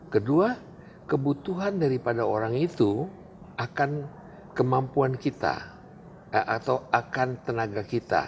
kedua kebutuhan daripada orang itu akan kemampuan kita atau akan tenaga kita